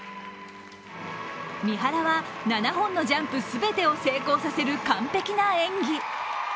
三原は７本のジャンプ全てを成功させる完璧な演技。